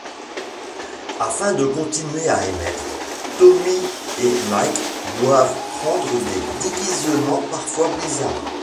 Afin de continuer à émettre, Tommy et Mike doivent prendre des déguisements, parfois bizarres.